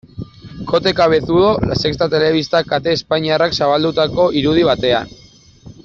Kote Cabezudo, La Sexta telebista kate espainiarrak zabaldutako irudi batean.